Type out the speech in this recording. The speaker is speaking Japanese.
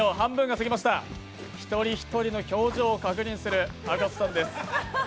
一人一人の表情を確認する赤楚さんです。